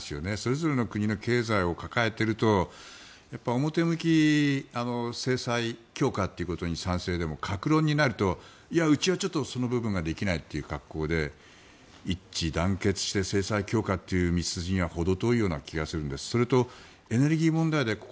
それぞれの国の経済を抱えていると表向き、制裁強化ということに賛成でも各論になるといや、うちはその部分ができないという格好で一致団結して制裁強化という道筋は程遠い気がします。